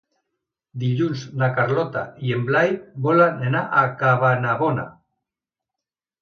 Dilluns na Carlota i en Blai volen anar a Cabanabona.